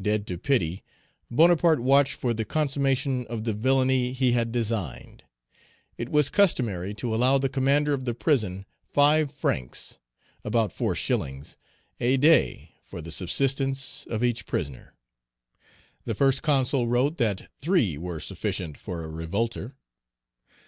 Dead to pity, Bonaparte watched for the consummation of the villany he had designed. It was customary to allow the commander of the prison five francs (about four shillings) a day for the subsistence of each prisoner; the First Consul wrote that three were sufficient for a revolter.